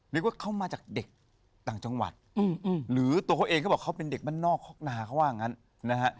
เรียกว่าเข้ามาจากเด็กต่างจังหวัดหรือตัวเขาเองเขาบอกเขาเป็นเด็กบ้านนอกฮอกนาเขาว่างั้นนะฮะ